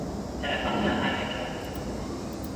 Elle appartient à Heineken.